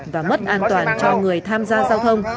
và mất an toàn cho người tham gia giao thông